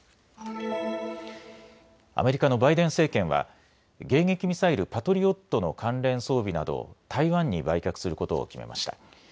アメリカのバイデン政権は迎撃ミサイル、パトリオットの関連装備などを台湾に売却することを決めました。